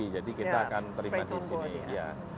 jadi kita akan terima di sini